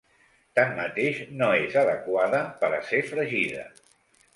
Tanmateix no és adequada per a ser fregida.